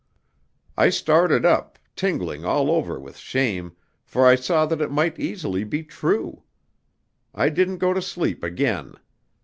I started up, tingling all over with shame, for I saw that it might easily be true. I didn't go to sleep again.